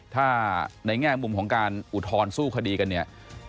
ถ้าในแง่มุมของการอุทธรณ์สู้คดีกันเนี่ย